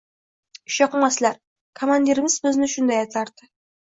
Ishyoqmaslar, komandirimiz bizni shunday atardi